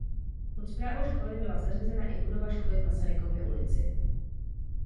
Pod správu školy byla zařazena i budova školy v Masarykově ulici.